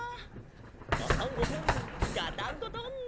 ガタンゴトンガタンゴトン。